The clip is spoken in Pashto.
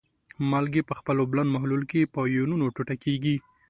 مالګې په خپل اوبلن محلول کې په آیونونو ټوټه کیږي.